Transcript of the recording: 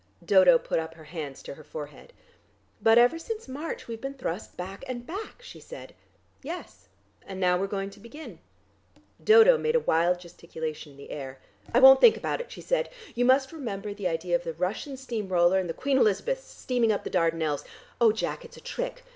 Dodo put up her hands to her forehead. "But ever since March we've been thrust back and back," she said. "Yes. And now we're going to begin." Dodo made a wild gesticulation in the air. "I won't think about it," she said. "You must remember the idea of the Russian steam roller, and the Queen Elizabeth steaming up the Dardanelles. Oh, Jack! It's a trick!